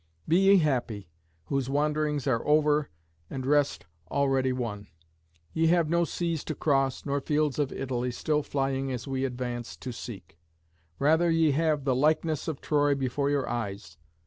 "Be ye happy, whose wanderings are over and rest already won; ye have no seas to cross, nor fields of Italy, still flying as we advance, to seek. Rather ye have the likeness of Troy before your eyes.